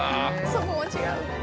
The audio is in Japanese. そこも違う。